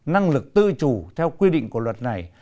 năng lực tự chủ theo quy định của luật này